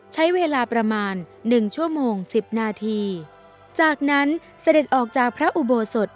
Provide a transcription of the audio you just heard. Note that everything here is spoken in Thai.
ใช้เวลาประมาณหนึ่งชั่วโมงสิบนาทีจากนั้นเสด็จออกจากพระอุโบสถ